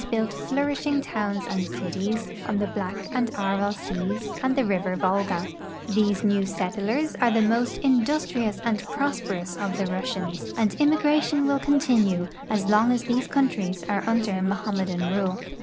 'built flourishing towns and cities on the Black and Aral seas and river Volga. These new settlers are the most industrious and prosperous of the Russians, and immigration will continue as long as these countries are under Mohammedan rule.